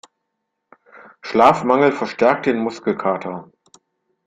Schlafmangel verstärkt den Muskelkater.